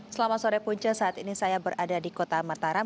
selamat sore punca saat ini saya berada di kota mataram